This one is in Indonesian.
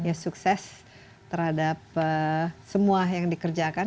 ya sukses terhadap semua yang dikerjakan